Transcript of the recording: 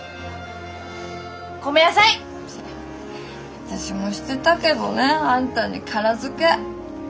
私もしてたけどねあんたにキャラ付け。